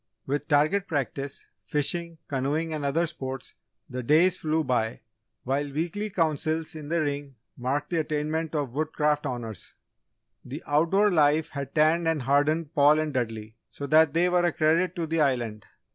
With target practice, fishing, canoeing, and other sports, the days flew by, while weekly councils in the Ring marked the attainment of Woodcraft Honours. The outdoor life had tanned and hardened Paul and Dudley so that they were a credit to the Island.